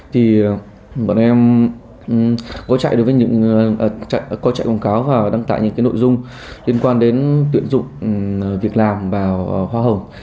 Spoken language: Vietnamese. thì bọn em có chạy quảng cáo và đăng tải những nội dung liên quan đến tuyển dụng việc làm và hoa hồng